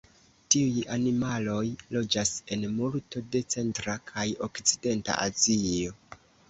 Tiuj animaloj loĝas en multo de centra kaj okcidenta Azio.